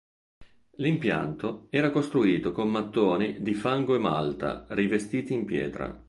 L'impianto era costruito con mattoni di fango e malta rivestiti in pietra.